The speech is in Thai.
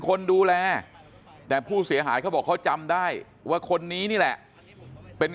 คนดูแลแต่ผู้เสียหายเขาบอกเขาจำได้ว่าคนนี้นี่แหละเป็น